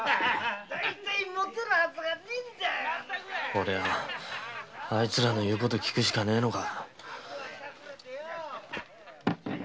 おれはあいつらの言うことをきくしかねえのか。